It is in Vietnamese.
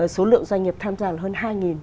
số lượng doanh nghiệp tham gia là hơn hai